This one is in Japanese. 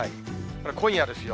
これ、今夜ですよ。